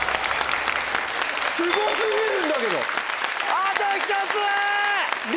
すご過ぎるんだけど！